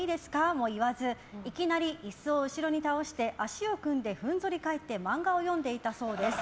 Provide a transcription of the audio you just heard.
も言わずいきなり椅子を後ろに倒して足を組んでふんぞり返ってマンガを読んでいたそうです。